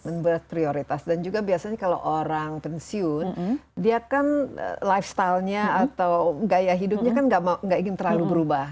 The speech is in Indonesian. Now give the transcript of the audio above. membuat prioritas dan juga biasanya kalau orang pensiun dia kan lifestylenya atau gaya hidupnya kan gak ingin terlalu berubah